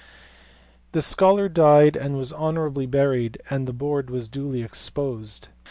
The scholar died and was honourably buriedj and the board was duly exposed.